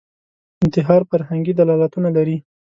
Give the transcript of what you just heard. انتحار فرهنګي دلالتونه لري